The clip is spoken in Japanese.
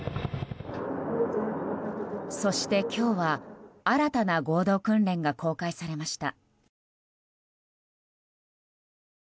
そして今日は新たな合同訓練が公開されました。